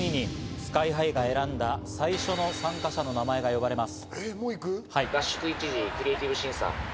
ＳＫＹ−ＨＩが選んだ最初の参加者の名前が呼ばれます。